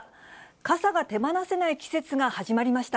傘が手放せない季節が始まりました。